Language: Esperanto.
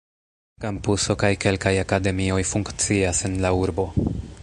Kampuso kaj kelkaj akademioj funkcias en la urbo.